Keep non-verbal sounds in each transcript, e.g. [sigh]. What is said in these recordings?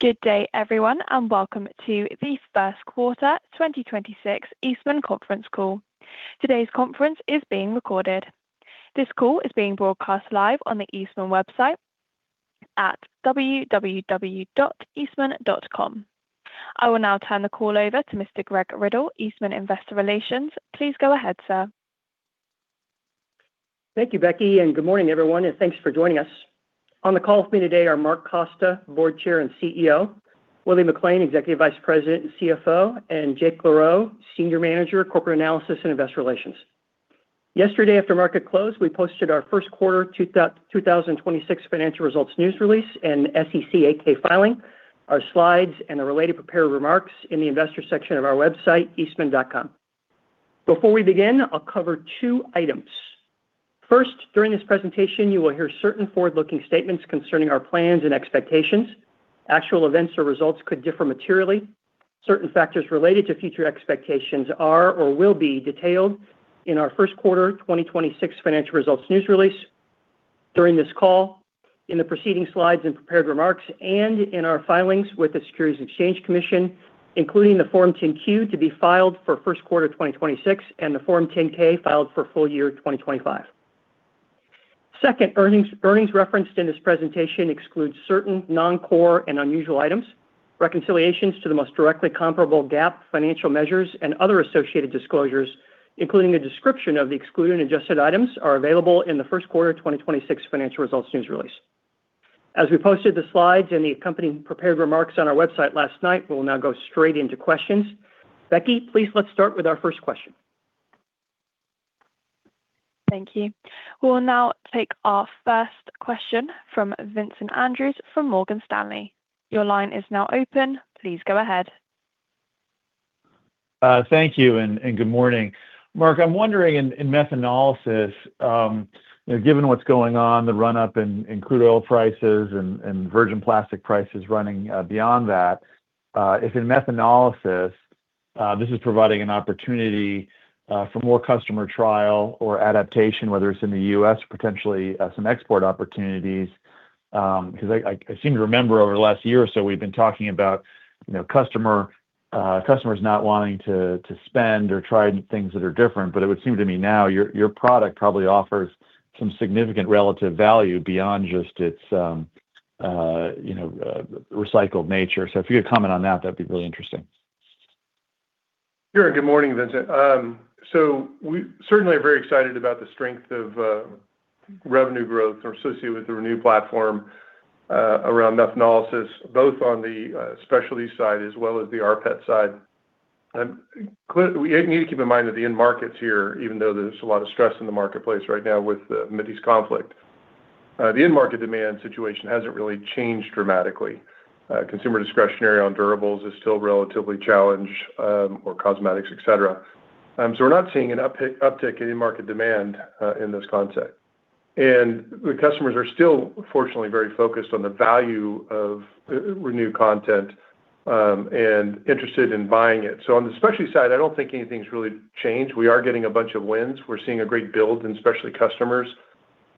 Good day, everyone, welcome to the First Quarter 2026 Eastman Conference Call. Today's conference is being recorded. This call is being broadcast live on the Eastman website at www.eastman.com. I will now turn the call over to Mr. Greg Riddle, Eastman Investor Relations. Please go ahead, sir. Thank you, Becky, and good morning, everyone, and thanks for joining us. On the call with me today are Mark Costa, Board Chair and CEO; Willie McLain, Executive Vice President and CFO; and Jake LaRoe, Senior Manager, Corporate Analysis and Investor Relations. Yesterday after market close, we posted our first quarter 2026 financial results news release and SEC 8-K filing, our slides, and the related prepared remarks in the investor section of our website, eastman.com. Before we begin, I'll cover two items. First, during this presentation, you will hear certain forward-looking statements concerning our plans and expectations. Actual events or results could differ materially. Certain factors related to future expectations are or will be detailed in our first quarter 2026 financial results news release, during this call, in the preceding slides and prepared remarks, and in our filings with the Securities and Exchange Commission, including the Form 10-Q to be filed for first quarter 2026 and the Form 10-K filed for full year 2025. Second, earnings referenced in this presentation excludes certain non-core and unusual items. Reconciliations to the most directly comparable GAAP financial measures and other associated disclosures, including a description of the excluded and adjusted items, are available in the first quarter 2026 financial results news release. As we posted the slides and the accompanying prepared remarks on our website last night, we'll now go straight into questions. Becky, please, let's start with our first question. Thank you. We'll now take our first question from Vincent Andrews from Morgan Stanley. Your line is now open. Please go ahead. Thank you, and good morning. Mark, I'm wondering in methanolysis, you know, given what's going on, the run-up in crude oil prices and virgin plastic prices running beyond that, if in methanolysis, this is providing an opportunity for more customer trial or adaptation, whether it's in the U.S. or potentially some export opportunities. 'Cause I seem to remember over the last year or so, we've been talking about, you know, customers not wanting to spend or try things that are different, but it would seem to me now your product probably offers some significant relative value beyond just its, you know, recycled nature. If you could comment on that'd be really interesting. Sure. Good morning, Vincent. We certainly are very excited about the strength of revenue growth associated with the Renew platform around methanolysis, both on the specialty side as well as the rPET side. We need to keep in mind that the end markets here, even though there's a lot of stress in the marketplace right now with the Mideast conflict, the end market demand situation hasn't really changed dramatically. Consumer discretionary on durables is still relatively challenged, or cosmetics, et cetera. We're not seeing an uptick in end market demand in this concept. The customers are still, fortunately, very focused on the value of Renew content and interested in buying it. On the specialty side, I don't think anything's really changed. We are getting a bunch of wins. We're seeing a great build in specialty customers.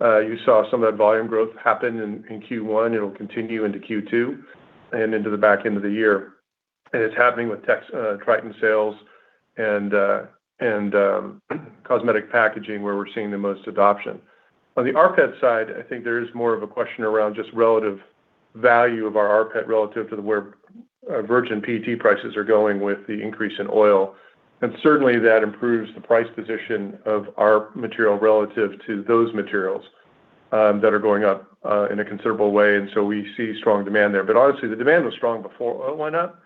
You saw some of that volume growth happen in Q1. It'll continue into Q2 and into the back end of the year. It's happening with Tritan sales and cosmetic packaging where we're seeing the most adoption. On the rPET side, I think there is more of a question around just relative value of our rPET relative to where virgin PET prices are going with the increase in oil. Certainly that improves the price position of our material relative to those materials that are going up in a considerable way, we see strong demand there. Honestly, the demand was strong before oil went up,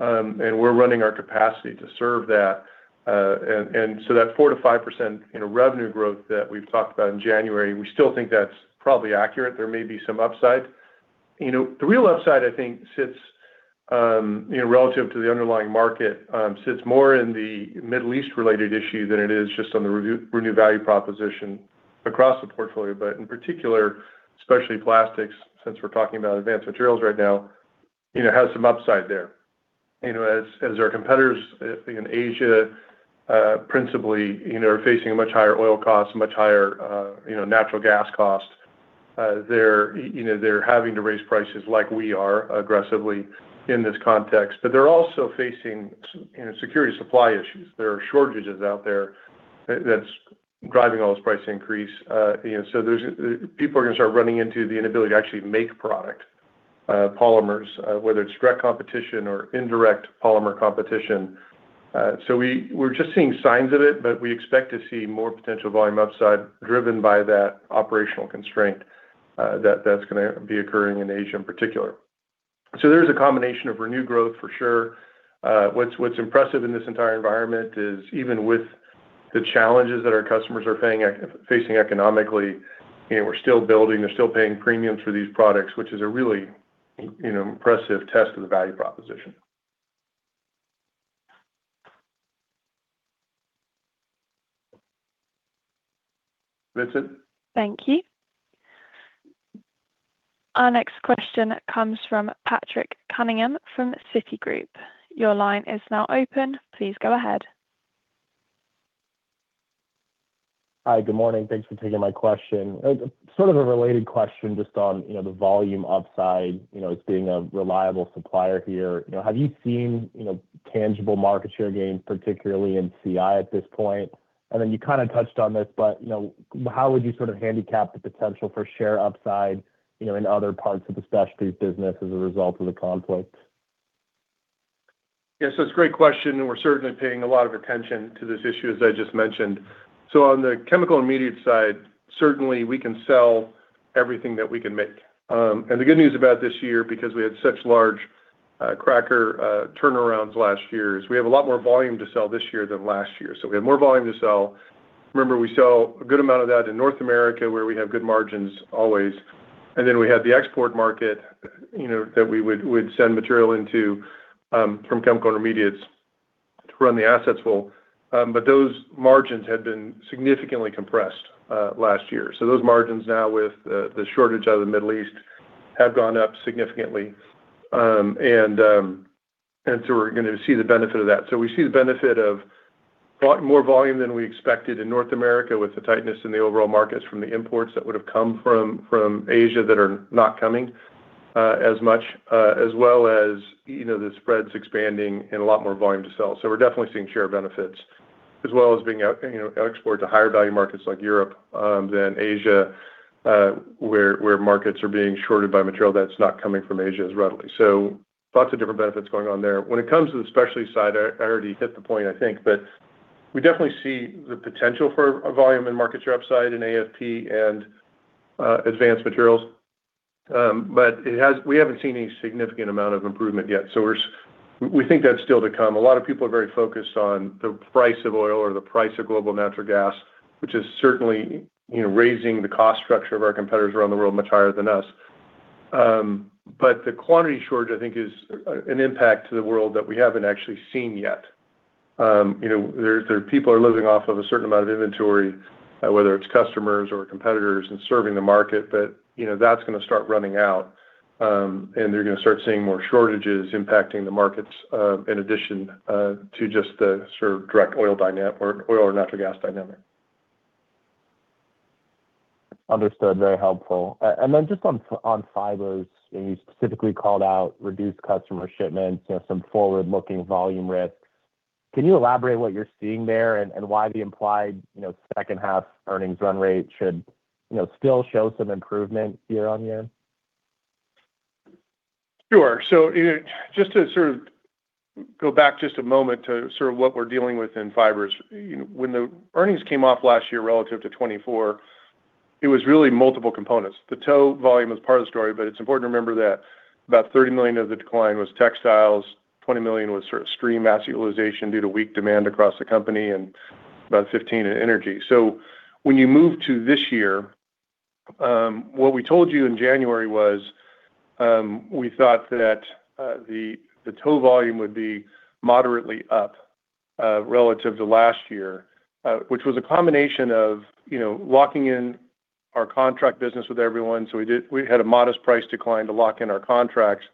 and we're running our capacity to serve that. That 4%-5%, you know, revenue growth that we've talked about in January, we still think that's probably accurate. There may be some upside. You know, the real upside, I think, sits, you know, relative to the underlying market, sits more in the Middle East related issue than it is just on the Renew value proposition across the portfolio. In particular, specialty plastics, since we're talking about advanced materials right now, you know, has some upside there. You know, as our competitors, in Asia, principally, you know, are facing much higher oil costs, much higher, you know, natural gas costs, they're, you know, they're having to raise prices like we are aggressively in this context. They're also facing security supply issues. There are shortages out there that's driving all this price increase. You know, there's people are gonna start running into the inability to actually make product, polymers, whether it's direct competition or indirect polymer competition. We're just seeing signs of it, but we expect to see more potential volume upside driven by that operational constraint that's gonna be occurring in Asia in particular. There is a combination of Renew growth for sure. What's, what's impressive in this entire environment is even with the challenges that our customers are facing economically, you know, we're still building, they're still paying premiums for these products, which is a really, you know, impressive test of the value proposition. Vincent? Thank you. Our next question comes from Patrick Cunningham from Citigroup. Your line is now open. Please go ahead. Hi, good morning. Thanks for taking my question. Sort of a related question just on, you know, the volume upside, you know, as being a reliable supplier here. You know, have you seen, you know, tangible market share gains, particularly in CI at this point? You kind of touched on this, but, you know, how would you sort of handicap the potential for share upside, you know, in other parts of the specialty business as a result of the conflict? Yeah. It's a great question, and we're certainly paying a lot of attention to this issue, as I just mentioned. On the Chemical Intermediates side, certainly we can sell everything that we can make. And the good news about this year, because we had such large cracker turnarounds last year, is we have a lot more volume to sell this year than last year. We have more volume to sell. Remember, we sell a good amount of that in North America, where we have good margins always. Then we have the export market, you know, that we would, we'd send material into from chemical intermediates to run the assets full. Those margins had been significantly compressed last year. Those margins now with the shortage out of the Middle East have gone up significantly. We're gonna see the benefit of that. We see the benefit of lot more volume than we expected in North America with the tightness in the overall markets from the imports that would've come from Asia that are not coming as much as well as, you know, the spreads expanding and a lot more volume to sell. We're definitely seeing share benefits as well as being out, you know, export to higher value markets like Europe than Asia, where markets are being shorted by material that's not coming from Asia as readily. Lots of different benefits going on there. When it comes to the specialty side, I already hit the point I think, but we definitely see the potential for a volume and market share upside in AFP and advanced materials. We haven't seen any significant amount of improvement yet. We think that's still to come. A lot of people are very focused on the price of oil or the price of global natural gas, which is certainly, you know, raising the cost structure of our competitors around the world much higher than us. But the quantity shortage, I think is an impact to the world that we haven't actually seen yet. You know, people are living off of a certain amount of inventory, whether it's customers or competitors and serving the market, but, you know, that's gonna start running out. And they're gonna start seeing more shortages impacting the markets, in addition to just the sort of direct oil or natural gas dynamic. Understood. Very helpful. Then just on fibers, you specifically called out reduced customer shipments, you know, some forward-looking volume risks. Can you elaborate what you're seeing there and why the implied, you know, second half earnings run rate should, you know, still show some improvement year-on-year? Sure. You know, just to sort of go back just a moment to sort of what we're dealing with in fibers. You know, when the earnings came off last year relative to 2024, it was really multiple components. The tow volume was part of the story, but it's important to remember that about $30 million of the decline was textiles, $20 million was sort of stream asset utilization due to weak demand across the company, and about $15 million in energy. When you move to this year, what we told you in January was, we thought that the tow volume would be moderately up relative to last year, which was a combination of, you know, locking in our contract business with everyone. We had a modest price decline to lock in our contracts.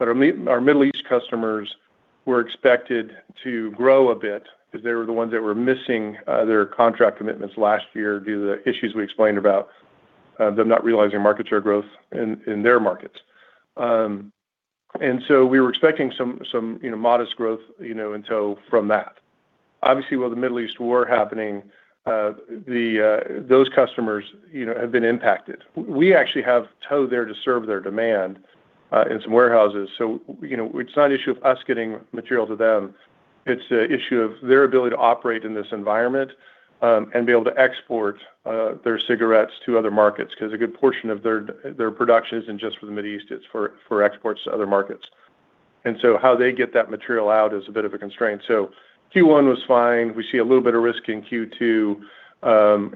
Our Middle East customers were expected to grow a bit because they were the ones that were missing their contract commitments last year due to the issues we explained about them not realizing market share growth in their markets. We were expecting some, you know, modest growth, you know, in tow from that. Obviously, with the Middle East war happening, those customers, you know, have been impacted. We actually have tow there to serve their demand in some warehouses. You know, it's not an issue of us getting material to them. It's an issue of their ability to operate in this environment and be able to export their cigarettes to other markets 'cause a good portion of their production isn't just for the Middle East, it's for exports to other markets. How they get that material out is a bit of a constraint. Q1 was fine. We see a little bit of risk in Q2,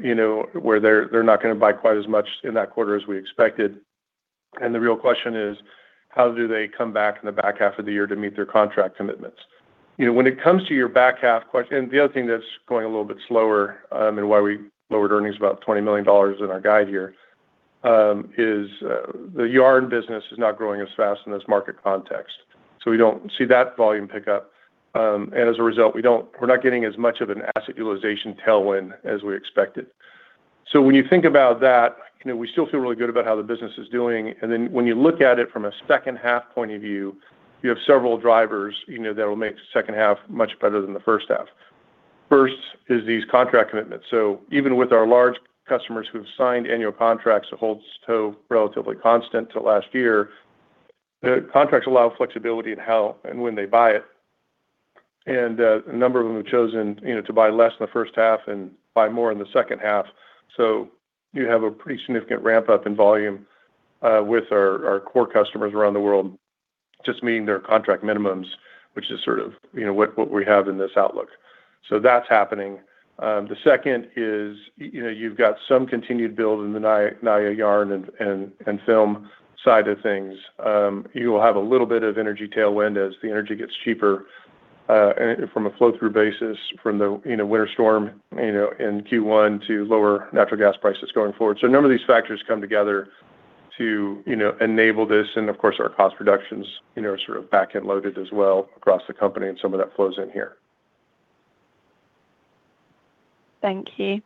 you know, where they're not gonna buy quite as much in that quarter as we expected. The real question is: how do they come back in the back half of the year to meet their contract commitments? You know, when it comes to your back half question, the other thing that's going a little bit slower, and why we lowered earnings about $20 million in our guide here, is the yarn business is not growing as fast in this market context. We don't see that volume pick up. As a result, we're not getting as much of an asset utilization tailwind as we expected. When you think about that, you know, we still feel really good about how the business is doing. When you look at it from a second half point of view, you have several drivers, you know, that will make second half much better than the first half. First is these contract commitments. Even with our large customers who have signed annual contracts to hold tow relatively constant to last year, the contracts allow flexibility in how and when they buy it. A number of them have chosen, you know, to buy less in the first half and buy more in the second half. You have a pretty significant ramp up in volume with our core customers around the world just meeting their contract minimums, which is sort of, you know, what we have in this outlook. That's happening. The second is, you know, you've got some continued build in the yarn and film side of things. You will have a little bit of energy tailwind as the energy gets cheaper, and from a flow-through basis from the, you know, winter storm, you know, in Q1 to lower natural gas prices going forward. A number of these factors come together to, you know, enable this, and of course our cost reductions, you know, are sort of back-end loaded as well across the company, and some of that flows in here. Thank you.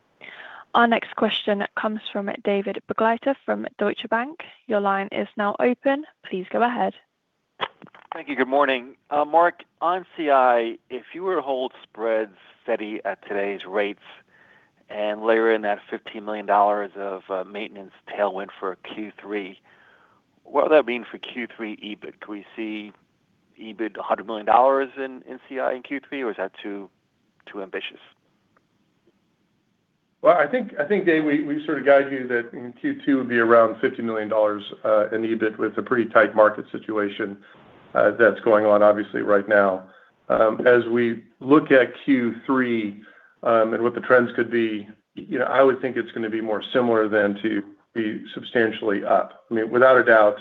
Our next question comes from David Begleiter from Deutsche Bank. Your line is now open. Please go ahead. Thank you. Good morning. Mark, on CI, if you were to hold spreads steady at today's rates and layer in that $15 million of maintenance tailwind for Q3, what would that mean for Q3 EBIT? Could we see EBIT $100 million in CI in Q3, or is that too ambitious? Well, I think, Dave, we sort of guide you that in Q2 it would be around $50 million in EBIT with the pretty tight market situation that's going on obviously right now. As we look at Q3 and what the trends could be, you know, I would think it's gonna be more similar than to be substantially up. I mean, without a doubt,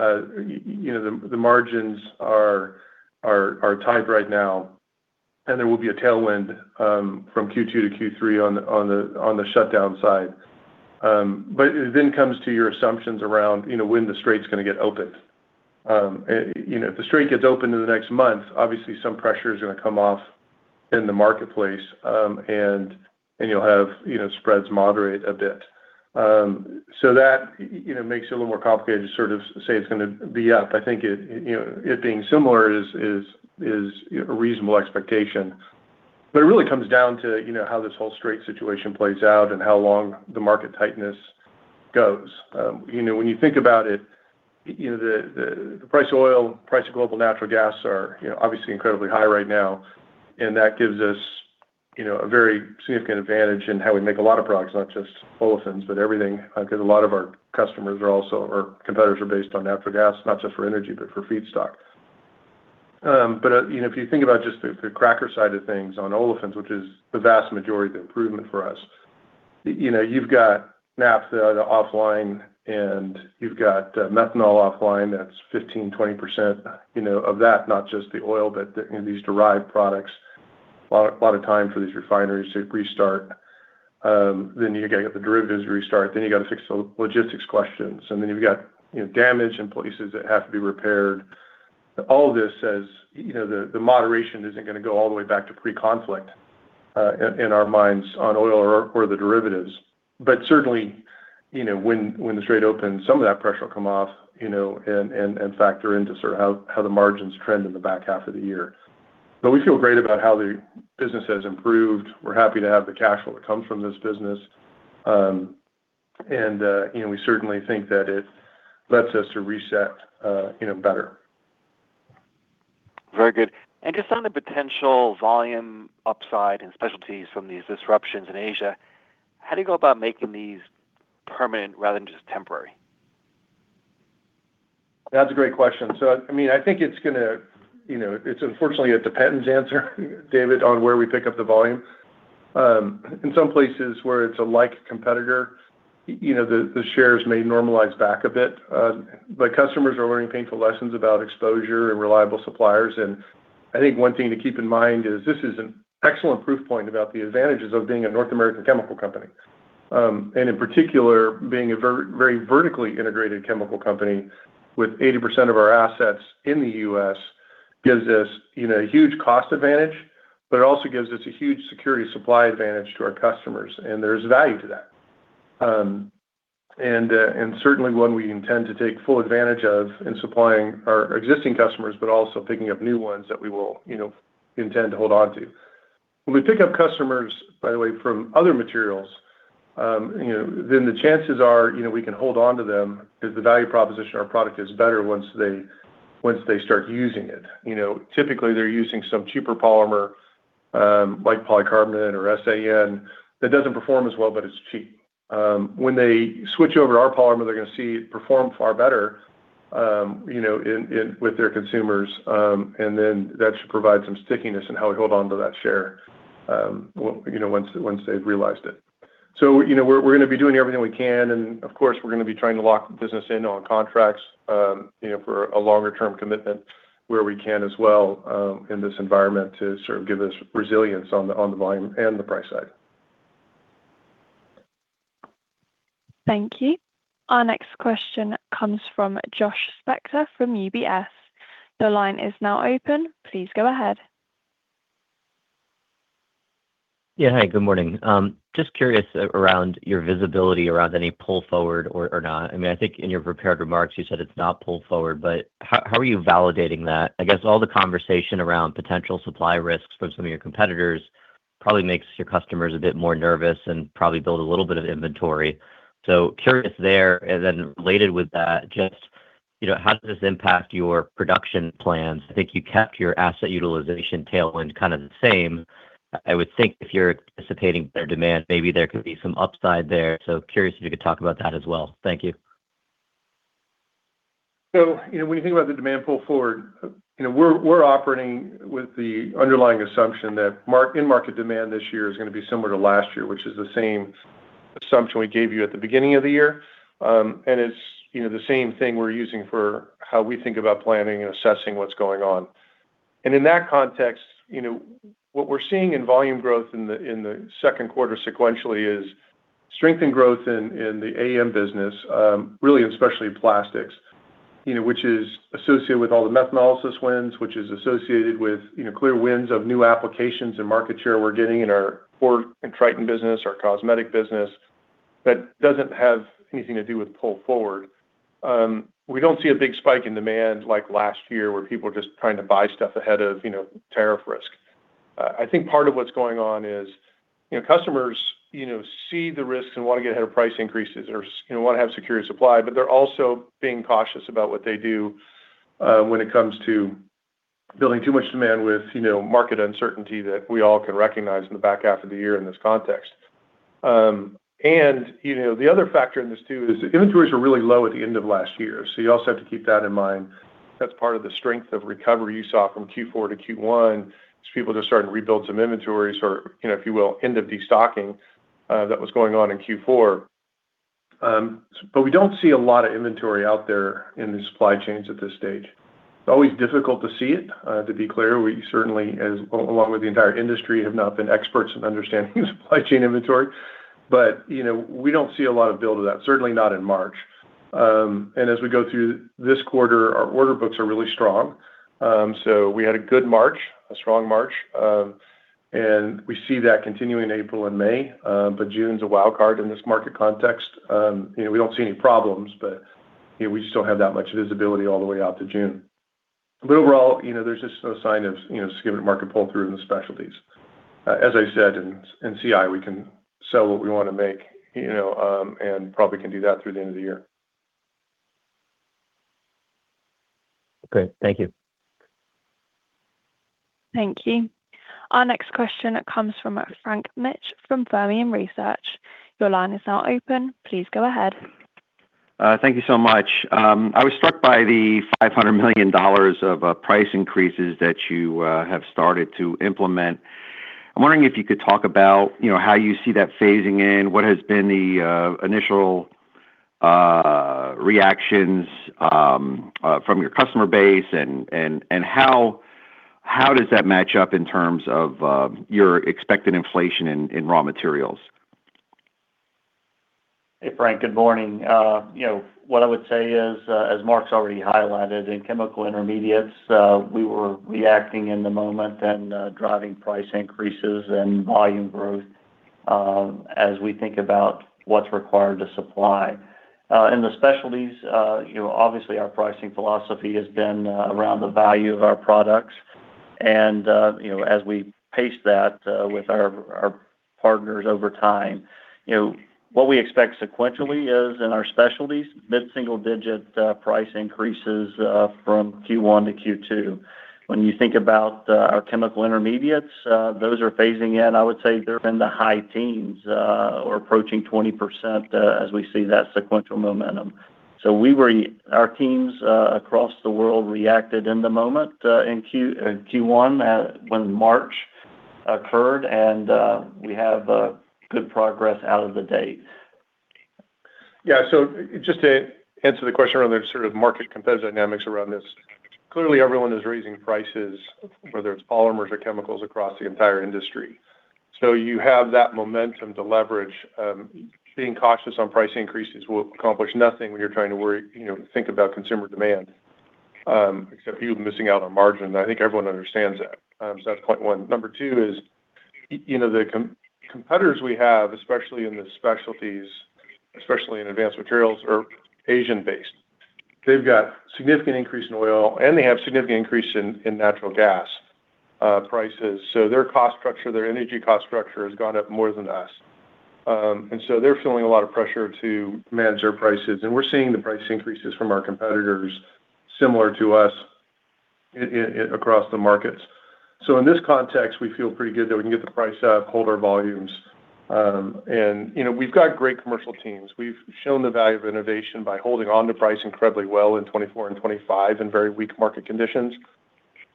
you know, the margins are tight right now, and there will be a tailwind from Q2 to Q3 on the shutdown side. It then comes to your assumptions around, you know, when the strait's gonna get opened. You know, if the strait gets opened in the next month, obviously some pressure's gonna come off in the marketplace, and you'll have, you know, spreads moderate a bit. That, you know, makes it a little more complicated to sort of say it's gonna be up. I think it, you know, it being similar is, you know, a reasonable expectation. It really comes down to, you know, how this whole strait situation plays out and how long the market tightness goes. You know, when you think about it, you know, the price of oil, price of global natural gas are, you know, obviously incredibly high right now. That gives us, you know, a very significant advantage in how we make a lot of products, not just olefins, but everything, 'cause a lot of our customers are also or competitors are based on natural gas, not just for energy, but for feedstock. You know, if you think about just the cracker side of things on olefins, which is the vast majority of the improvement for us, you know, you've got naphtha offline. You've got methanol offline. That's 15%, 20%, you know, of that, not just the oil, but the, you know, these derived products. Lot of time for these refineries to restart. You gotta get the derivatives to restart, then you gotta fix the logistics questions, and then you've got, you know, damage in places that have to be repaired. All this says, you know, the moderation isn't gonna go all the way back to pre-conflict in our minds on oil or the derivatives. Certainly, you know, when the Strait opens, some of that pressure will come off, you know, and factor into sort of how the margins trend in the back half of the year. We feel great about how the business has improved. We're happy to have the cash flow that comes from this business. You know, we certainly think that it lets us to reset, you know, better. Very good. Just on the potential volume upside in specialties from these disruptions in Asia, how do you go about making these permanent rather than just temporary? That's a great question. I mean, I think it's gonna, you know, it's unfortunately a dependent answer, David, on where we pick up the volume. In some places where it's a like competitor, you know, the shares may normalize back a bit. Customers are learning painful lessons about exposure and reliable suppliers, I think one thing to keep in mind is this is an excellent proof point about the advantages of being a North American chemical company. In particular, being a very vertically integrated chemical company with 80% of our assets in the U.S. gives us, you know, huge cost advantage, it also gives us a huge security supply advantage to our customers, there's value to that. Certainly one we intend to take full advantage of in supplying our existing customers, but also picking up new ones that we will intend to hold onto. The chances are we can hold onto them if the value proposition of our product is better once they start using it. Typically they're using some cheaper polymer, like polycarbonate or SAN that doesn't perform as well, but it's cheap. When they switch over to our polymer, they're gonna see it perform far better in with their consumers. That should provide some stickiness in how we hold onto that share once they've realized it. You know, we're gonna be doing everything we can, and of course, we're gonna be trying to lock business in on contracts, you know, for a longer term commitment where we can as well, in this environment to sort of give us resilience on the volume and the price side. Thank you. Our next question comes from Josh Spector from UBS. The line is now open. Please go ahead. Yeah. Hi, good morning. Just curious around your visibility around any pull forward or not. I mean, I think in your prepared remarks you said it's not pull forward, but how are you validating that? I guess all the conversation around potential supply risks from some of your competitors probably makes your customers a bit more nervous and probably build a little bit of inventory. Curious there. Related with that, just, you know, how does this impact your production plans? I think you kept your asset utilization tailwind kind of the same. I would think if you're anticipating better demand, maybe there could be some upside there. Curious if you could talk about that as well. Thank you. You know, when you think about the demand pull forward, you know, we're operating with the underlying assumption that in-market demand this year is gonna be similar to last year, which is the same assumption we gave you at the beginning of the year. It's, you know, the same thing we're using for how we think about planning and assessing what's going on. In that context, you know, what we're seeing in volume growth in the second quarter sequentially is strength and growth in the AM business, really especially in plastics, you know, which is associated with all the methanolysis wins, which is associated with, you know, clear wins of new applications and market share we're getting in our core Tritan business, our cosmetic business. That doesn't have anything to do with pull forward. We don't see a big spike in demand like last year where people are just trying to buy stuff ahead of, you know, tariff risk. I think part of what's going on is, you know, customers, you know, see the risks and want to get ahead of price increases or, you know, want to have security of supply, but they're also being cautious about what they do when it comes to building too much demand with, you know, market uncertainty that we all can recognize in the back half of the year in this context. And you know, the other factor in this too is inventories were really low at the end of last year. You also have to keep that in mind. That's part of the strength of recovery you saw from Q4 to Q1, is people just starting to rebuild some inventories or, you know, if you will, end of destocking that was going on in Q4. We don't see a lot of inventory out there in the supply chains at this stage. It's always difficult to see it. To be clear, we certainly, along with the entire industry, have not been experts in understanding the supply chain inventory. You know, we don't see a lot of build of that, certainly not in March. As we go through this quarter, our order books are really strong. We had a good March, a strong March. We see that continuing April and May, June's a wild card in this market context. you know, we don't see any problems, but, you know, we just don't have that much visibility all the way out to June. Overall, you know, there's just no sign of, you know, significant market pull-through in the specialties. As I said, in CI, we can sell what we wanna make, you know, and probably can do that through the end of the year. Okay. Thank you. Thank you. Our next question comes from Frank Mitsch from Fermium Research. Your line is now open. Please go ahead. Thank you so much. I was struck by the $500 million of price increases that you have started to implement. I'm wondering if you could talk about, you know, how you see that phasing in, what has been the initial reactions from your customer base and how does that match up in terms of your expected inflation in raw materials? Hey, Frank. Good morning. You know, what I would say is, as Mark's already highlighted, in chemical intermediates, we were reacting in the moment and driving price increases and volume growth, as we think about what's required to supply. In the specialties, you know, obviously our pricing philosophy has been around the value of our products and, you know, as we pace that with our partners over time. You know, what we expect sequentially is in our specialties, mid-single-digit price increases from Q1 to Q2. When you think about our chemical intermediates, those are phasing in. I would say they're in the high teens or approaching 20%, as we see that sequential momentum. Our teams across the world reacted in the moment in Q1 when March occurred. We have good progress out of the date. Yeah. Just to answer the question around the sort of market competitive dynamics around this, clearly everyone is raising prices, whether it's polymers or chemicals across the entire industry. You have that momentum to leverage. Being cautious on price increases will accomplish nothing when you're trying to worry, you know, think about consumer demand, except you missing out on margin. I think everyone understands that. That's point one. Number two is, you know, the competitors we have, especially in the specialties, especially in advanced materials, are Asian-based. They've got significant increase in oil, and they have significant increase in natural gas, prices. Their cost structure, their energy cost structure has gone up more than us. They're feeling a lot of pressure to manage their prices, and we're seeing the price increases from our competitors similar to us across the markets. In this context, we feel pretty good that we can get the price up, hold our volumes. You know, we've got great commercial teams. We've shown the value of innovation by holding on to price incredibly well in 2024 and 2025 in very weak market conditions.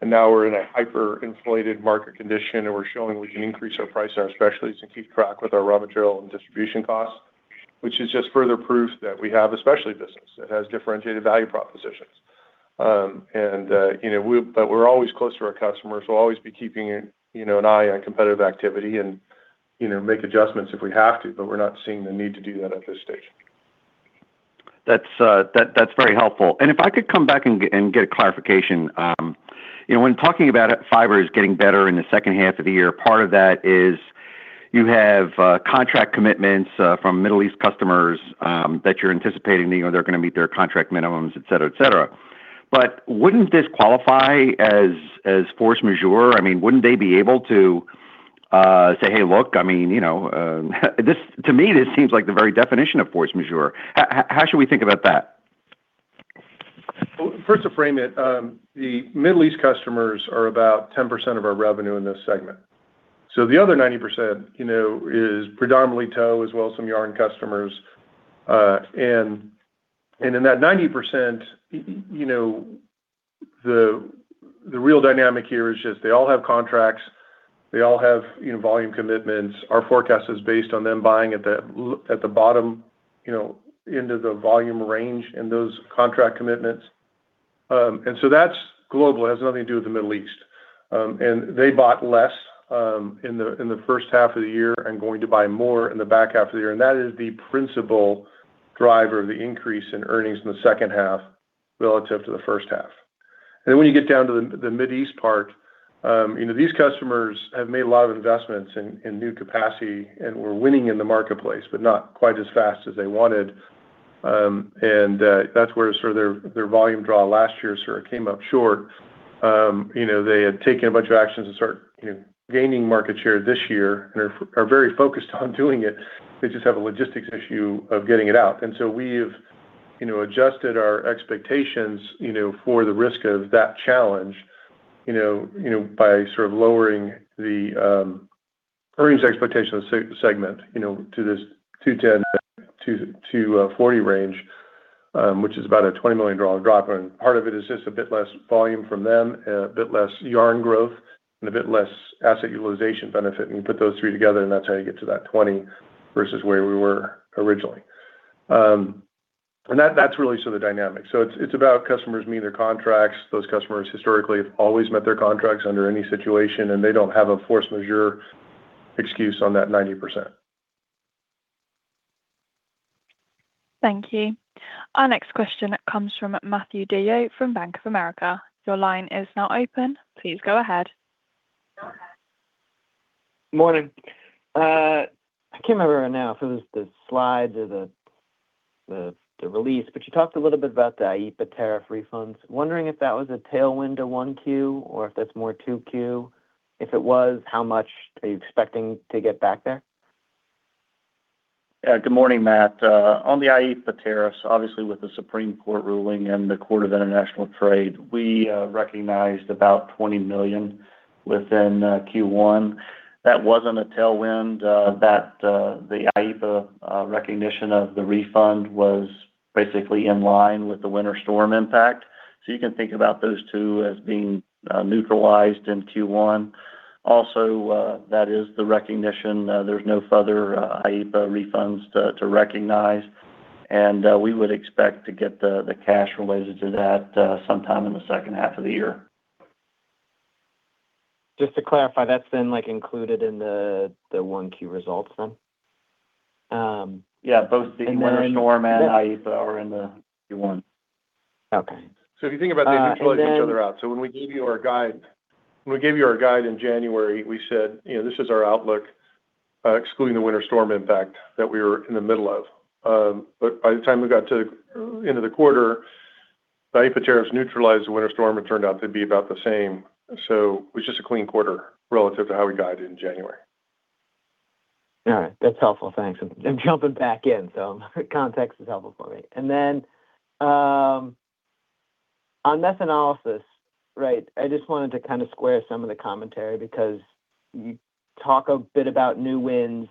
Now we're in a hyper-inflated market condition, and we're showing we can increase our price on our specialties and keep track with our raw material and distribution costs, which is just further proof that we have a specialty business that has differentiated value propositions. You know, but we're always close to our customers. We'll always be keeping, you know, an eye on competitive activity and, you know, make adjustments if we have to, but we're not seeing the need to do that at this stage. That's, that's very helpful. If I could come back and get clarification. You know, when talking about fibers getting better in the second half of the year, part of that is you have contract commitments from Middle East customers that you're anticipating, you know, they're gonna meet their contract minimums, et cetera, et cetera. Wouldn't this qualify as force majeure? I mean, wouldn't they be able to say, "Hey look," I mean, you know, to me, this seems like the very definition of force majeure. How should we think about that? First, to frame it, the Middle East customers are about 10% of our revenue in this segment. The other 90%, you know, is predominantly tow, as well as some yarn customers. And in that 90%, you know, the real dynamic here is just they all have contracts. They all have, you know, volume commitments. Our forecast is based on them buying at the bottom, you know, into the volume range in those contract commitments. That's global. It has nothing to do with the Middle East. They bought less in the first half of the year and going to buy more in the back half of the year, and that is the principal driver of the increase in earnings in the second half relative to the first half. Then when you get down to the Mideast part, these customers have made a lot of investments in new capacity and were winning in the marketplace, but not quite as fast as they wanted. That's where their volume draw last year came up short. They had taken a bunch of actions to start, gaining market share this year and are very focused on doing it. They just have a logistics issue of getting it out. We've adjusted our expectations for the risk of that challenge by lowering the earnings expectation segment to this $210 million-$240 million range, which is about a $20 million drop. Part of it is just a bit less volume from them, a bit less yarn growth, and a bit less asset utilization benefit. You put those three together, and that's how you get to that $20 million versus where we were originally. That, that's really sort of the dynamic. It's, it's about customers meeting their contracts. Those customers historically have always met their contracts under any situation, and they don't have a force majeure excuse on that 90%. Thank you. Our next question comes from Matthew DeYoe from Bank of America. Your line is now open. Please go ahead. Morning. I can't remember right now if it was the slides or the, the release, but you talked a little bit about the IEEPA tariff refunds. Wondering if that was a tailwind to 1Q or if that's more 2Q. If it was, how much are you expecting to get back there? Good morning, Matt. On the IEEPA tariffs, obviously with the Supreme Court ruling and the Court of International Trade, we recognized about $20 million within Q1. That wasn't a tailwind. The IEEPA recognition of the refund was basically in line with the winter storm impact. You can think about those two as being neutralized in Q1. Also, that is the recognition, there's no further IEEPA refunds to recognize, we would expect to get the cash related to that sometime in the second half of the year. Just to clarify, that's been like included in the 1Q results then? Yeah, both the winter storm. [crosstalk] And then. [crosstalk] IEEPA are in the Q1. Okay. If you think about [crosstalk] they neutralize each other out. Uh, and then. [crosstalk] When we gave you our guide in January, we said, you know, this is our outlook, excluding the winter storm impact that we were in the middle of. By the time we got to end of the quarter, the IEEPA tariffs neutralized the winter storm. It turned out to be about the same. It was just a clean quarter relative to how we guided in January. All right. That's helpful. Thanks. I'm jumping back in, so context is helpful for me. On methanolysis, right, I just wanted to kind of square some of the commentary because you talk a bit about new wins,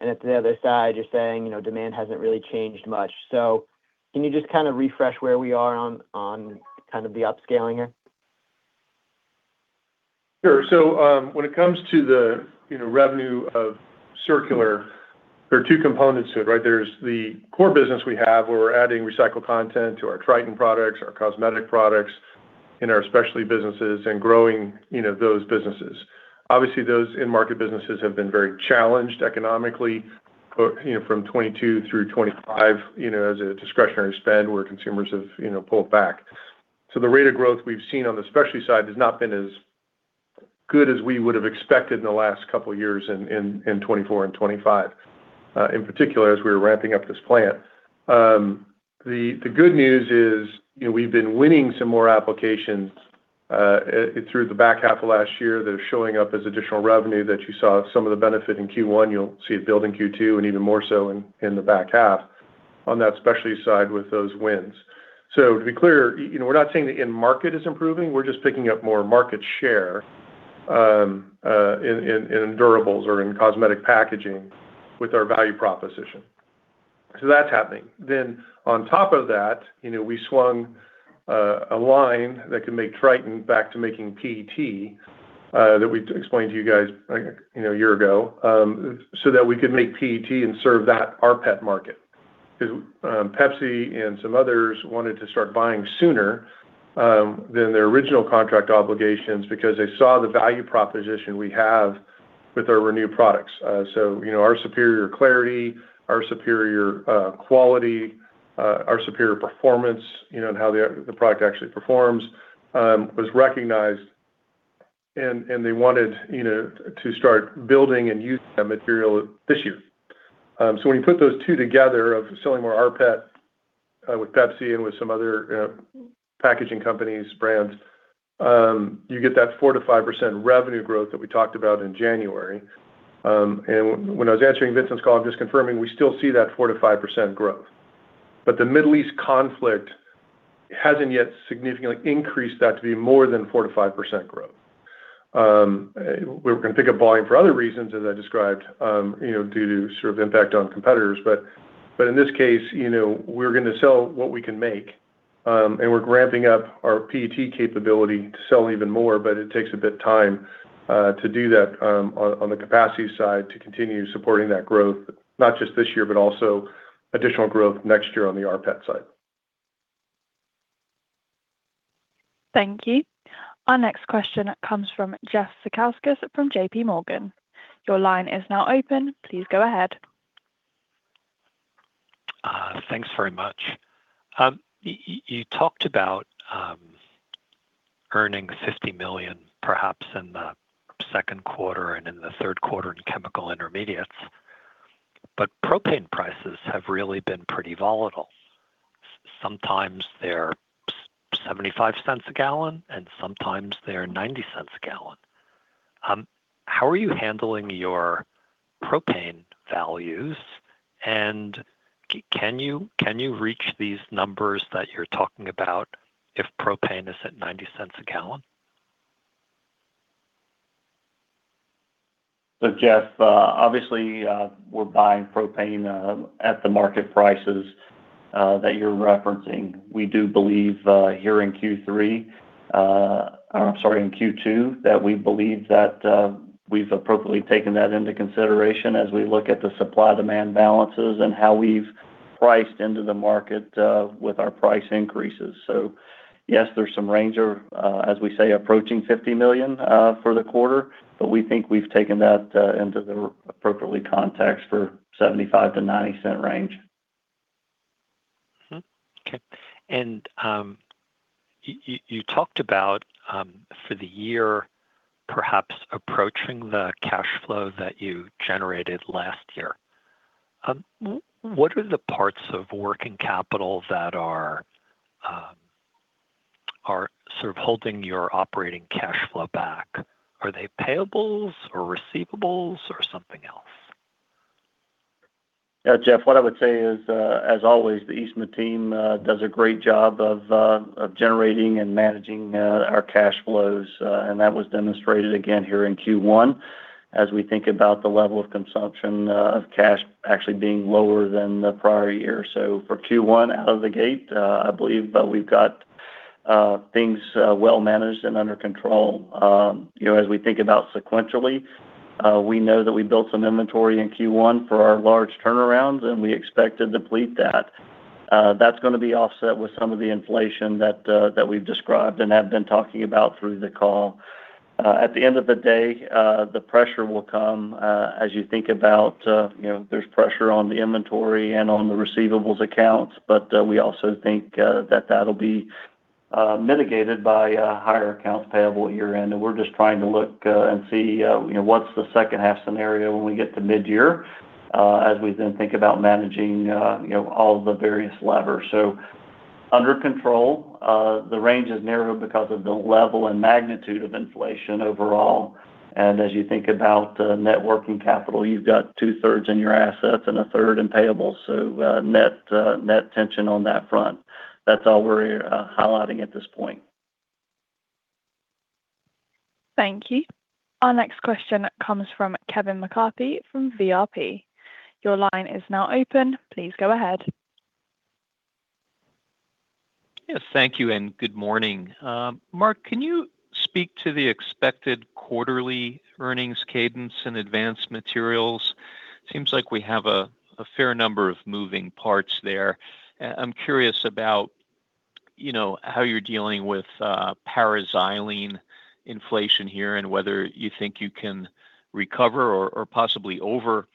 and at the other side you're saying, you know, demand hasn't really changed much. Can you just kind of refresh where we are on kind of the upscaling here? Sure. When it comes to the, you know, revenue of circular, there are two components to it, right? There's the core business we have where we're adding recycled content to our Tritan products, our cosmetic products in our specialty businesses and growing, you know, those businesses. Obviously, those in-market businesses have been very challenged economically, you know, from 2022 through 2025, you know, as a discretionary spend where consumers have, you know, pulled back. The rate of growth we've seen on the specialty side has not been as good as we would have expected in the last couple of years in 2024 and 2025, in particular as we were ramping up this plant. The good news is, you know, we've been winning some more applications through the back half of last year that are showing up as additional revenue that you saw some of the benefit in Q1. You'll see it build in Q2 and even more so in the back half on that specialty side with those wins. To be clear, you know, we're not saying the end market is improving. We're just picking up more market share in durables or in cosmetic packaging with our value proposition. That's happening. On top of that, you know, we swung a line that can make Tritan back to making PET, that we explained to you guys like, you know, a year ago, so that we could make PET and serve that rPET market 'cause Pepsi and some others wanted to start buying sooner than their original contract obligations because they saw the value proposition we have with our Renew products. You know, our superior clarity, our superior quality, our superior performance, you know, and how the product actually performs, was recognized and they wanted, you know, to start building and using that material this year. When you put those two together of selling more rPET, with Pepsi and with some other, packaging companies, brands, you get that 4%-5% revenue growth that we talked about in January. When I was answering Vincent's call, I'm just confirming we still see that 4%-5% growth. The Middle East conflict hasn't yet significantly increased that to be more than 4%-5% growth. We're going to pick up volume for other reasons, as I described, you know, due to sort of impact on competitors. In this case, you know, we're gonna sell what we can make, and we're ramping up our PET capability to sell even more, but it takes a bit of time to do that on the capacity side to continue supporting that growth, not just this year, but also additional growth next year on the rPET side. Thank you. Our next question comes from Jeff Zekauskas from JPMorgan. Your line is now open. Please go ahead. Thanks very much. You talked about earning $50 million perhaps in the second quarter and in the third quarter in chemical intermediates, but propane prices have really been pretty volatile. Sometimes they're $0.75 a gallon, and sometimes they're $0.90 a gallon. How are you handling your propane values? Can you reach these numbers that you're talking about if propane is at $0.90 a gallon? Jeff, obviously, we're buying propane at the market prices that you're referencing. We do believe here in Q3, or I'm sorry, in Q2, that we believe that we've appropriately taken that into consideration as we look at the supply-demand balances and how we've priced into the market with our price increases. Yes, there's some range of, as we say, approaching $50 million for the quarter, but we think we've taken that into the appropriate context for $0.75-$0.90 range. Okay. You talked about for the year perhaps approaching the cash flow that you generated last year. What are the parts of working capital that are sort of holding your operating cash flow back? Are they payables or receivables or something else? Yeah, Jeff, what I would say is, as always, the Eastman team does a great job of generating and managing our cash flows. That was demonstrated again here in Q1 as we think about the level of consumption of cash actually being lower than the prior year. For Q1 out of the gate, I believe that we've got things well managed and under control. You know, as we think about sequentially, we know that we built some inventory in Q1 for our large turnarounds, and we expect to deplete that. That's gonna be offset with some of the inflation that we've described and have been talking about through the call. At the end of the day, the pressure will come, as you think about, you know, there's pressure on the inventory and on the receivables accounts. We also think that that'll be mitigated by higher accounts payable at year-end. We're just trying to look and see, you know, what's the second half scenario when we get to mid-year, as we then think about managing, you know, all the various levers. Under control. The range has narrowed because of the level and magnitude of inflation overall. As you think about net working capital, you've got 2/3 in your assets and 1/3 in payables, net net tension on that front. That's all we're highlighting at this point. Thank you. Our next question comes from Kevin McCarthy from VRP. Your line is now open. Please go ahead. Yes, thank you, and good morning. Mark, can you speak to the expected quarterly earnings cadence in advanced materials? Seems like we have a fair number of moving parts there. I'm curious about, you know, how you're dealing with paraxylene inflation here and whether you think you can recover or possibly over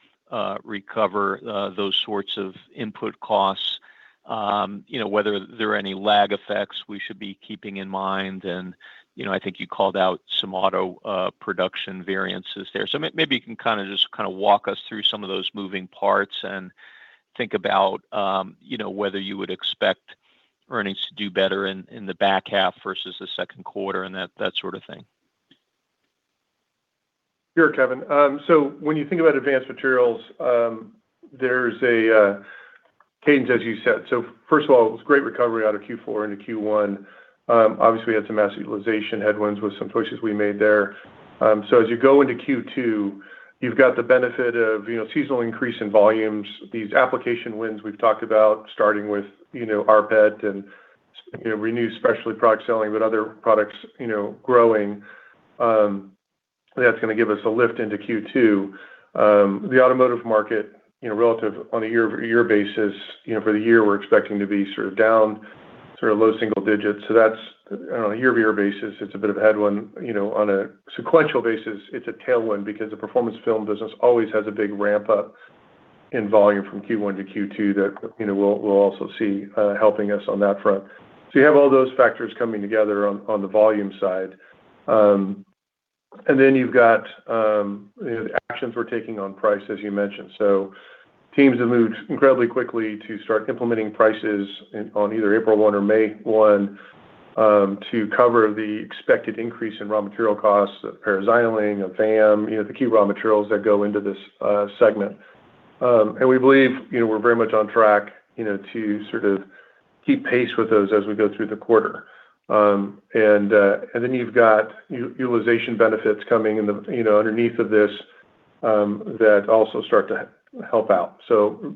recover those sorts of input costs. You know whether there are any lag effects we should be keeping in mind. You know, I think you called out some auto production variances there. Maybe you can kind of just kind of walk us through some of those moving parts and think about, you know, whether you would expect earnings to do better in the back half versus the second quarter and that sort of thing. Sure, Kevin. When you think about advanced materials, there's a cadence, as you said. First of all, it was great recovery out of Q4 into Q1. Obviously, we had some asset utilization headwinds with some choices we made there. As you go into Q2, you've got the benefit of, you know, seasonal increase in volumes. These application wins we've talked about, starting with, you know, rPET and, you know, renewed specialty product selling, but other products, you know, growing. That's gonna give us a lift into Q2. The automotive market, you know, relative on a year-over-year basis, you know, for the year, we're expecting to be sort of down, sort of low single digits. That's on a year-over-year basis, it's a bit of a headwind. You know, on a sequential basis, it's a tailwind because the Performance Films business always has a big ramp up in volume from Q1 to Q2 that, you know, we'll also see helping us on that front. You have all those factors coming together on the volume side. Then you've got, you know, the actions we're taking on price, as you mentioned. Teams have moved incredibly quickly to start implementing prices on either April 1 or May 1 to cover the expected increase in raw material costs, paraxylene and PAM, you know, the key raw materials that go into this segment. We believe, you know, we're very much on track, you know, to sort of keep pace with those as we go through the quarter. You've got utilization benefits coming in, you know, underneath of this that also start to help out.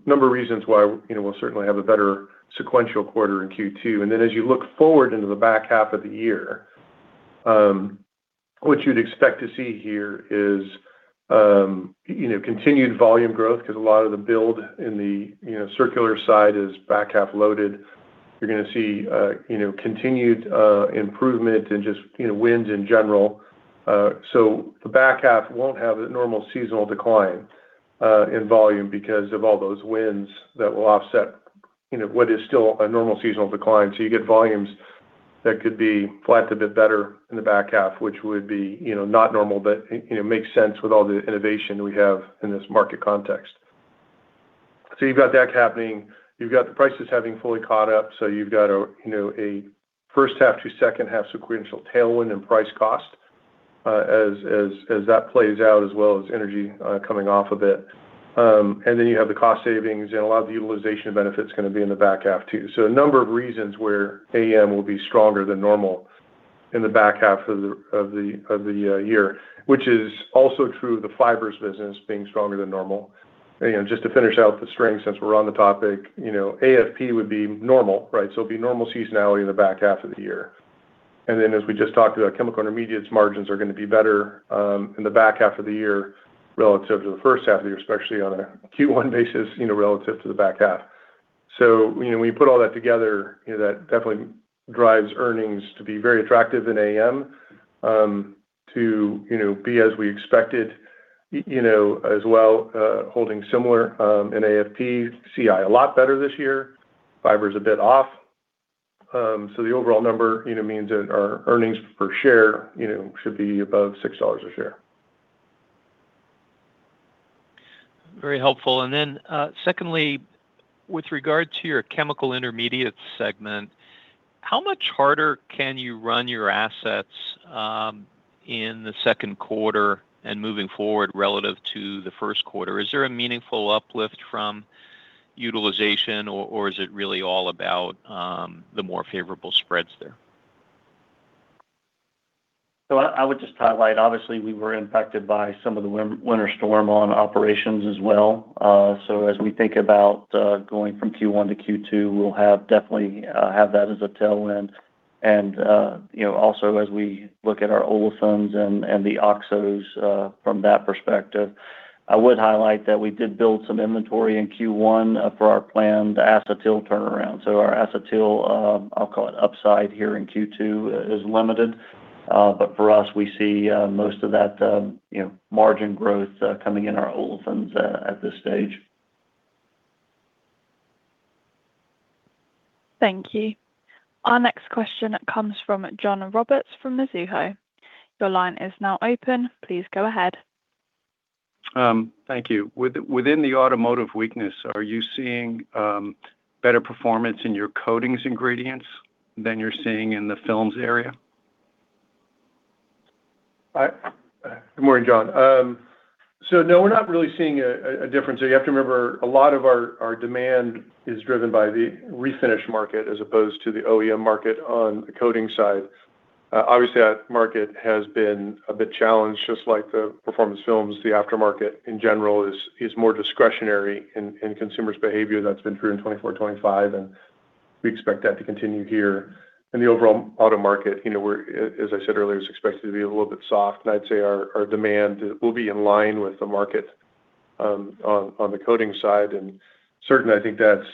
Number of reasons why, you know, we'll certainly have a better sequential quarter in Q2. As you look forward into the back half of the year, what you'd expect to see here is, you know, continued volume growth because a lot of the build in the, you know, circular side is back half loaded. You're gonna see, you know, continued improvement in just, you know, wins in general. The back half won't have a normal seasonal decline in volume because of all those wins that will offset, you know, what is still a normal seasonal decline. You get volumes that could be perhaps a bit better in the back half, which would be, you know, not normal, but, you know, makes sense with all the innovation we have in this market context. You've got that happening. You've got the prices having fully caught up, so you've got a, you know, a first half to second half sequential tailwind in price cost, as that plays out, as well as energy coming off of it. And then you have the cost savings, and a lot of the utilization benefits gonna be in the back half too. A number of reasons where AM will be stronger than normal in the back half of the year, which is also true of the fibers business being stronger than normal. You know, just to finish out the string since we're on the topic, you know, AFP would be normal, right? It'd be normal seasonality in the back half of the year. Then as we just talked about, chemical intermediates margins are gonna be better in the back half of the year relative to the first half of the year, especially on a Q1 basis, you know, relative to the back half. You know, when you put all that together, you know, that definitely drives earnings to be very attractive in AM, to, you know, be as we expected. You know, as well, holding similar in AFP, CI a lot better this year. Fibers a bit off. The overall number, you know, means that our earnings per share, you know, should be above $6 a share. Very helpful. Secondly, with regard to your chemical intermediate segment, how much harder can you run your assets in the second quarter and moving forward relative to the first quarter? Is there a meaningful uplift from utilization or is it really all about the more favorable spreads there? I would just highlight, obviously, we were impacted by some of the winter storm on operations as well. As we think about going from Q1 to Q2, we'll definitely have that as a tailwind and, you know, also as we look at our olefins and the oxos from that perspective. I would highlight that we did build some inventory in Q1 for our planned acetyl turnaround. Our acetyl, I'll call it upside here in Q2, is limited. For us, we see most of that, you know, margin growth coming in our olefins at this stage. Thank you. Our next question comes from John Roberts from Mizuho. Your line is now open. Please go ahead. Thank you. Within the automotive weakness, are you seeing better performance in your coatings ingredients than you're seeing in the films area? Good morning, John. No, we're not really seeing a different. You have to remember a lot of our demand is driven by the refinish market as opposed to the OEM market on the coating side. Obviously that market has been a bit challenged, just like the Performance Films. The aftermarket in general is more discretionary in consumers' behavior. That's been true in 2024, 2025, and we expect that to continue here. The overall auto market, you know, as I said earlier, is expected to be a little bit soft. I'd say our demand will be in line with the market on the coating side. Certainly, I think that's,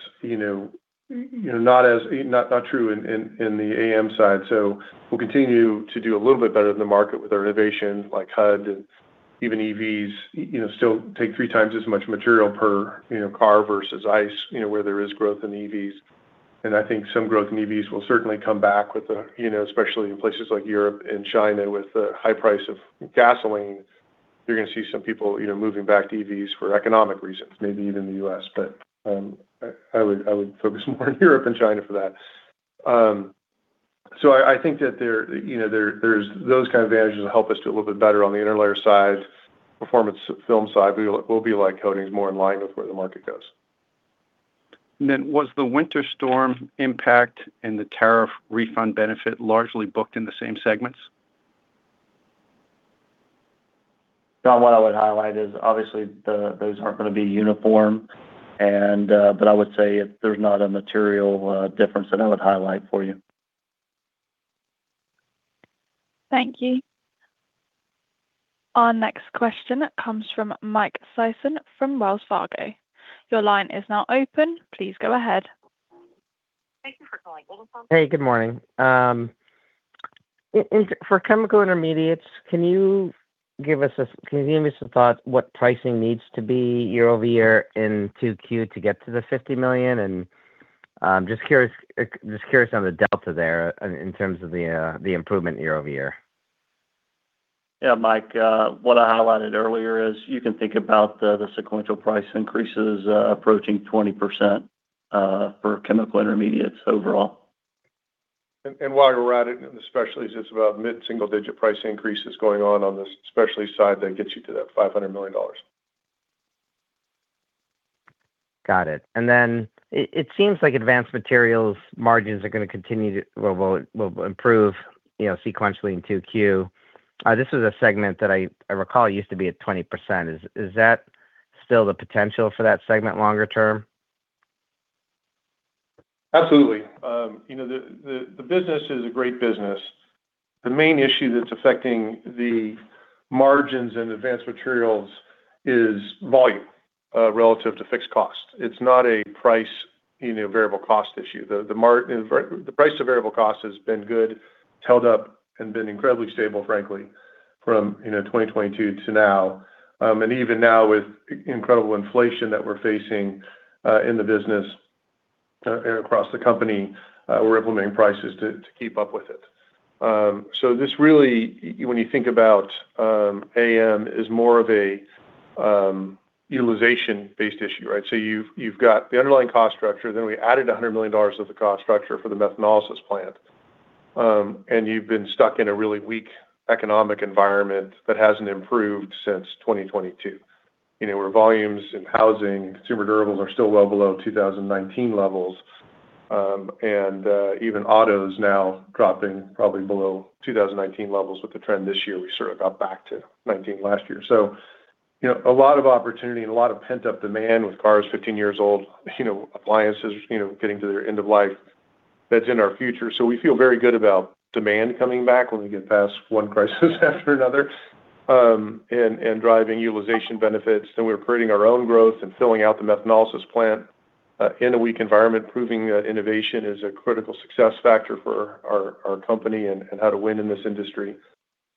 you know, not true in the AM side. We'll continue to do a little bit better than the market with our innovation like HUD and even EVs, you know, still take 3x as much material per, you know, car versus ICE, you know, where there is growth in EVs. I think some growth in EVs will certainly come back with the, you know, especially in places like Europe and China with the high price of gasoline. You're gonna see some people, you know, moving back to EVs for economic reasons, maybe even the U.S. I would focus more on Europe and China for that. I think that there, you know, there's those kind of advantages will help us do a little bit better on the Interlayer side. Performance Films side, we'll be like coatings more in line with where the market goes. Was the winter storm impact and the tariff refund benefit largely booked in the same segments? John, what I would highlight is obviously those aren't gonna be uniform and, but I would say there's not a material difference that I would highlight for you. Thank you. Our next question comes from Mike Sison from Wells Fargo. Your line is now open. Please go ahead. Thank you for calling Golden Farm. Hey, good morning. For chemical intermediates, can you give me some thought what pricing needs to be year-over-year in 2Q to get to the $50 million? Just curious on the delta there in terms of the improvement year-over-year. Mike, what I highlighted earlier is you can think about the sequential price increases approaching 20% for chemical intermediates overall. While we're at it, and especially as it's about mid-single digit price increases going on on the specialty side that gets you to that $500 million. Got it. It seems like advanced materials margins are going to continue to well, will improve, you know, sequentially in 2Q. This is a segment that I recall used to be at 20%. Is that still the potential for that segment longer term? Absolutely. You know, the business is a great business. The main issue that's affecting the margins and advanced materials is volume relative to fixed cost. It's not a price, you know, variable cost issue. The price of variable cost has been good, held up and been incredibly stable, frankly, from, you know, 2022 to now. And even now with incredible inflation that we're facing in the business across the company, we're implementing prices to keep up with it. This really, when you think about AM is more of a utilization based issue, right? You've got the underlying cost structure, then we added $100 million of the cost structure for the methanolysis plant. You've been stuck in a really weak economic environment that hasn't improved since 2022. You know, where volumes and housing, consumer durables are still well below 2019 levels. Even autos now dropping probably below 2019 levels with the trend this year. We sort of got back to 2019 last year. You know, a lot of opportunity and a lot of pent-up demand with cars 15 years old, you know, appliances, you know, getting to their end of life that's in our future. We feel very good about demand coming back when we get past one crisis after another, and driving utilization benefits. We're creating our own growth and filling out the methanolysis plant in a weak environment, proving that innovation is a critical success factor for our company and how to win in this industry.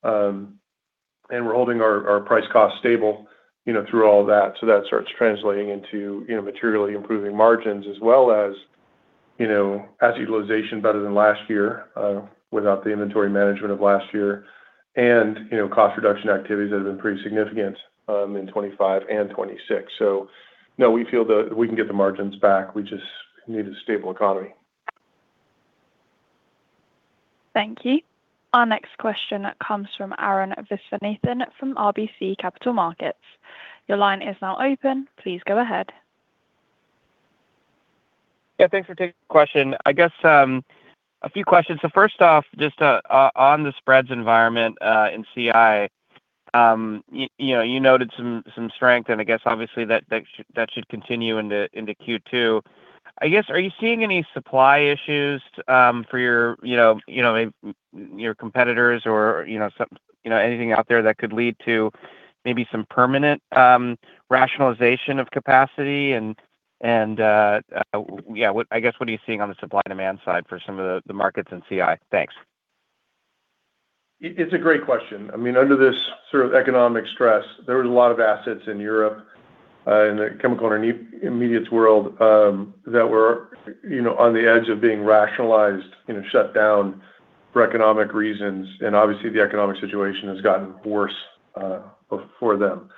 We're holding our price cost stable, you know, through all that. That starts translating into, you know, materially improving margins as well as, you know, as utilization better than last year, without the inventory management of last year and, you know, cost reduction activities that have been pretty significant in 2025 and 2026. No, we feel we can get the margins back. We just need a stable economy. Thank you. Our next question comes from Arun Viswanathan from RBC Capital Markets. Your line is now open. Please go ahead. Thanks for taking the question. I guess, a few questions. First off, just on the spreads environment in CI, you know, you noted some strength, and I guess obviously that should continue into Q2. I guess, are you seeing any supply issues for your competitors or, you know, anything out there that could lead to maybe some permanent rationalization of capacity and, what, I guess, what are you seeing on the supply and demand side for some of the markets in CI? Thanks. It's a great question. I mean, under this sort of economic stress, there was a lot of assets in Europe, in the chemical and intermediates world, that were, you know, on the edge of being rationalized, you know, shut down for economic reasons. Obviously, the economic situation has gotten worse for them.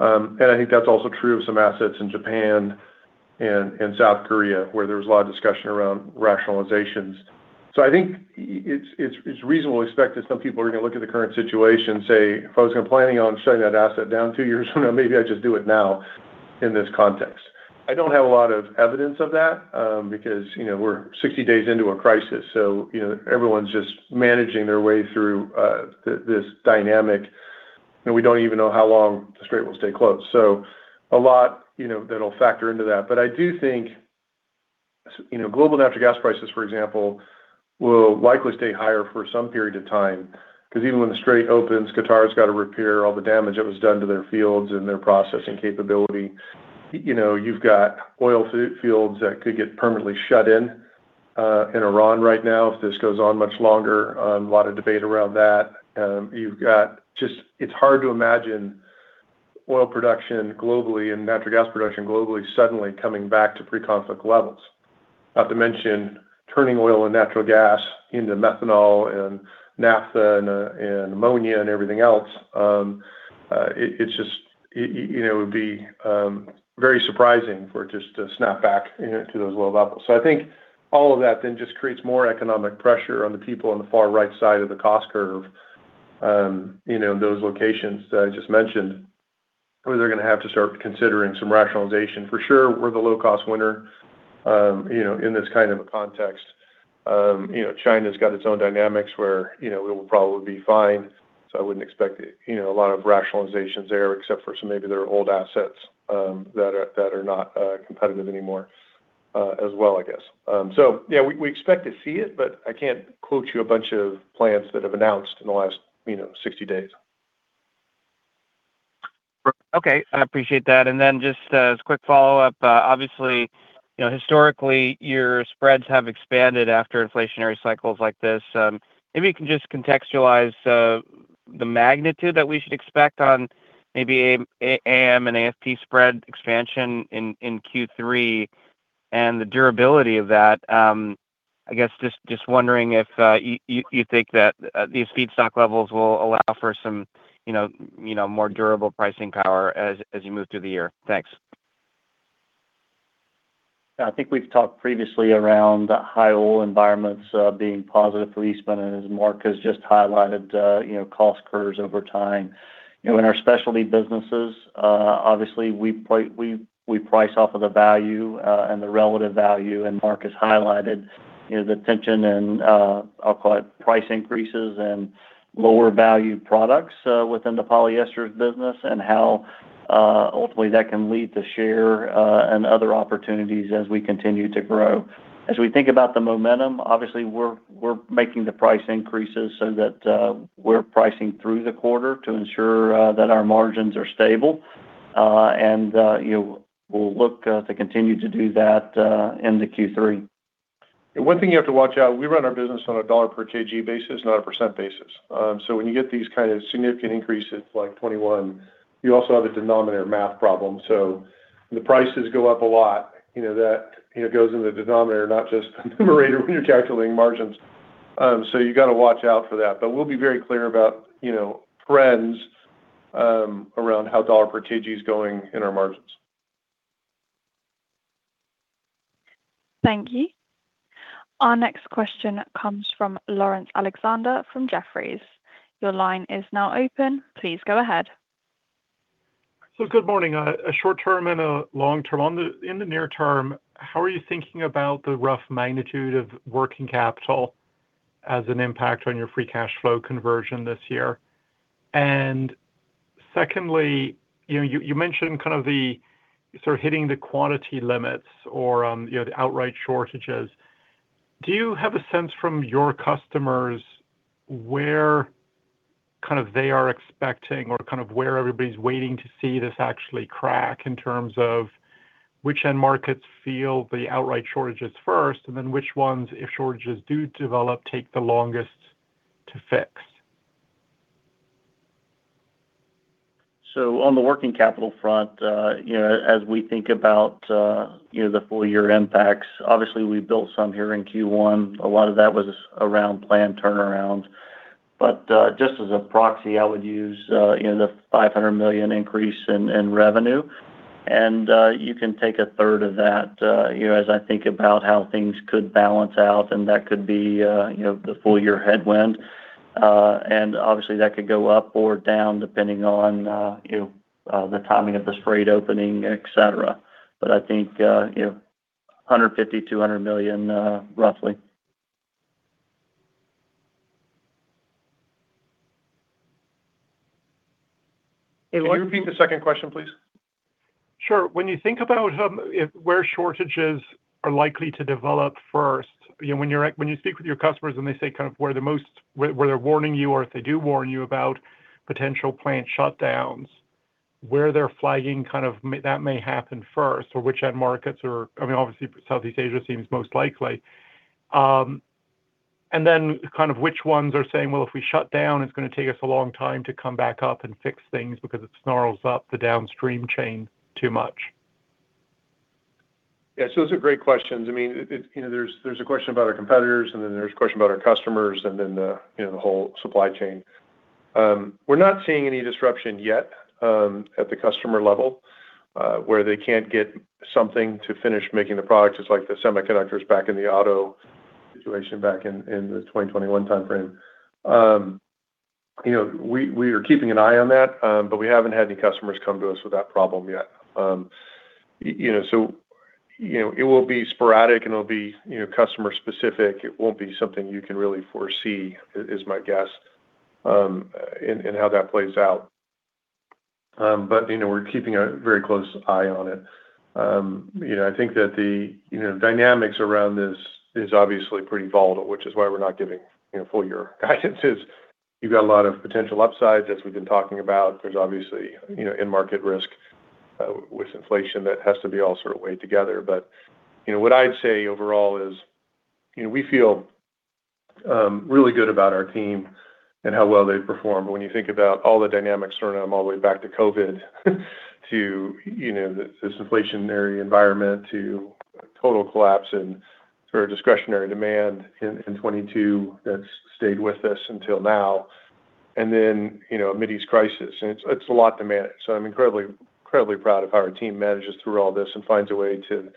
I think that's also true of some assets in Japan and South Korea, where there was a lot of discussion around rationalizations. I think it's, it's reasonable to expect that some people are gonna look at the current situation and say, "If I was gonna planning on shutting that asset down two years from now, maybe I just do it now in this context." I don't have a lot of evidence of that, because, you know, we're 60 days into a crisis, so, you know, everyone's just managing their way through this dynamic, and we don't even know how long the Strait will stay closed. A lot, you know, that'll factor into that. I do think, you know, global natural gas prices, for example, will likely stay higher for some period of time because even when the Strait opens, Qatar's got to repair all the damage that was done to their fields and their processing capability. You know, you've got oil fields that could get permanently shut in in Iran right now if this goes on much longer. A lot of debate around that. You've got it's hard to imagine oil production globally and natural gas production globally suddenly coming back to pre-conflict levels. Not to mention turning oil and natural gas into methanol and naphtha and ammonia and everything else. It's just, you know, would be very surprising for it just to snap back, you know, to those low levels. I think all of that just creates more economic pressure on the people on the far-right side of the cost curve, you know, in those locations that I just mentioned, where they're gonna have to start considering some rationalization. For sure, we're the low-cost winner, you know, in this kind of a context. You know, China's got its own dynamics where, you know, we will probably be fine. I wouldn't expect, you know, a lot of rationalizations there except for some maybe their old assets that are not competitive anymore as well, I guess. Yeah, we expect to see it, but I can't quote you a bunch of plans that have announced in the last, you know, 60 days. I appreciate that. Just as a quick follow-up, obviously, you know, historically your spreads have expanded after inflationary cycles like this. Maybe you can just contextualize the magnitude that we should expect on maybe AM and AFP spread expansion in Q3 and the durability of that. I guess just wondering if you think that these feedstock levels will allow for some, you know, more durable pricing power as you move through the year. Thanks. I think we've talked previously around the high oil environments, being positive for Eastman, and as Mark Costa just highlighted, you know, cost curves over time. You know, in our specialty businesses, obviously we price off of the value, and the relative value, and Mark has highlighted, you know, the tension and, I'll call it price increases and lower value products, within the polyester business and how, ultimately that can lead to share, and other opportunities as we continue to grow. As we think about the momentum, obviously we're making the price increases so that, we're pricing through the quarter to ensure, that our margins are stable. You know, we'll look to continue to do that into Q3. One thing you have to watch out, we run our business on a dollar per kg basis, not a percent basis. When you get these kind of significant increases like 21, you also have a denominator math problem. When the prices go up a lot, you know, that goes in the denominator, not just the numerator when you're calculating margins. You got to watch out for that. We'll be very clear about, you know, trends around how dollar per kg is going in our margins. Thank you. Our next question comes from Laurence Alexander from Jefferies. Your line is now open. Please go ahead. Good morning. A short term and a long term. In the near term, how are you thinking about the rough magnitude of working capital as an impact on your free cash flow conversion this year? Secondly, you know, you mentioned kind of the sort of hitting the quantity limits or, you know, the outright shortages. Do you have a sense from your customers where kind of they are expecting or kind of where everybody's waiting to see this actually crack in terms of which end markets feel the outright shortages first, and then which ones, if shortages do develop, take the longest to fix? On the working capital front, you know, as we think about, you know, the full year impacts, obviously we built some here in Q1. A lot of that was around planned turnaround. Just as a proxy, I would use, you know, the $500 million increase in revenue. You can take 1/3 of that, you know, as I think about how things could balance out, and that could be, you know, the full year headwind. Obviously, that could go up or down depending on, you, the timing of the Strait of Hormuz opening, et cetera. I think, you know, $150 million-$200 million, roughly. Hey, Laurence [crosstalk] can you repeat the second question, please? Sure. When you think about where shortages are likely to develop first, you know, when you speak with your customers and they say kind of where the most where they're warning you, or if they do warn you about potential plant shutdowns, where they're flagging kind of that may happen first or which end markets are? I mean, obviously, Southeast Asia seems most likely. Kind of which ones are saying, "Well, if we shut down, it's gonna take us a long time to come back up and fix things because it snarls up the downstream chain too much." Those are great questions. I mean, you know, there's a question about our competitors, and then there's a question about our customers and then the whole supply chain. We're not seeing any disruption yet at the customer level where they can't get something to finish making the products. It's like the semiconductors back in the auto situation back in the 2021 timeframe. You know, we are keeping an eye on that, but we haven't had any customers come to us with that problem yet. You know, it will be sporadic, and it'll be, you know, customer specific. It won't be something you can really foresee, is my guess, in how that plays out. You know, we're keeping a very close eye on it. You know, I think that the, you know, dynamics around this is obviously pretty volatile, which is why we're not giving, you know, full year guidance is you've got a lot of potential upsides as we've been talking about. There's obviously, you know, in-market risk with inflation that has to be all sort of weighed together. You know, what I'd say overall is, you know, we feel really good about our team and how well they've performed. When you think about all the dynamics sort of all the way back to COVID, to, you know, this inflationary environment to total collapse in sort of discretionary demand in 2022 that's stayed with us until now, you know, Mideast crisis, it's a lot to manage. I'm incredibly proud of how our team manages through all this and finds a way to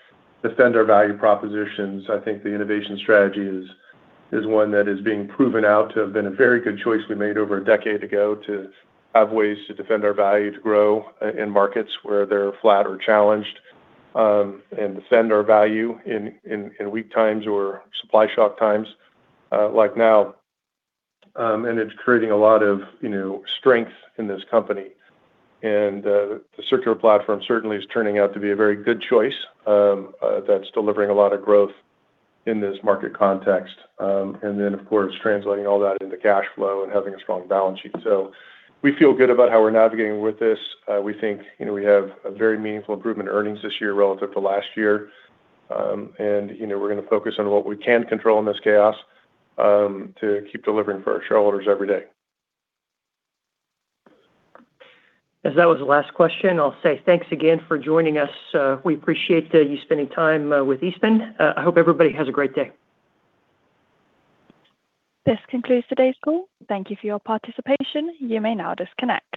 defend our value propositions. I think the innovation strategy is one that is being proven out to have been a very good choice we made over a decade ago to have ways to defend our value, to grow in markets where they're flat or challenged, and defend our value in weak times or supply shock times, like now. It's creating a lot of, you know, strength in this company. The circular platform certainly is turning out to be a very good choice that's delivering a lot of growth in this market context. Of course, translating all that into cash flow and having a strong balance sheet. We feel good about how we're navigating with this. We think, you know, we have a very meaningful improvement in earnings this year relative to last year. You know, we're gonna focus on what we can control in this chaos, to keep delivering for our shareholders every day. As that was the last question, I'll say thanks again for joining us. We appreciate you spending time with Eastman. I hope everybody has a great day. This concludes today's call. Thank you for your participation. You may now disconnect.